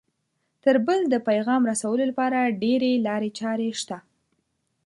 تر بل د پیغام رسولو لپاره ډېرې لارې چارې شته